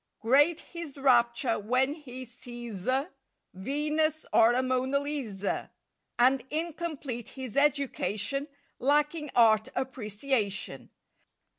Great his rapture when he sees a Venus or a Mona Lisa; And incomplete his education Lacking Art Appreciation.